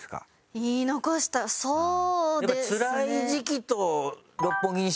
言い残したそうですね。